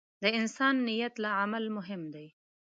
د انسان نیت له عمل مهم دی.